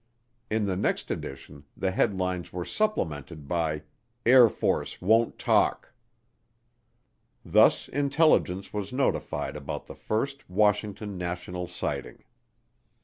In the next edition the headlines were supplemented by, AIR FORCE WONT TALK. Thus intelligence was notified about the first Washington national sighting.